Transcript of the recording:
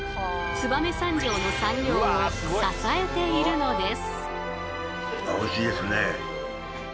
燕三条の産業を支えているのです。